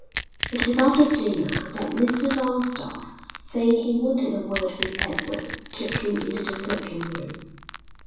It was after dinner that Mr Longstaffe, saying he wanted a word with Edward, took him into the smoking room.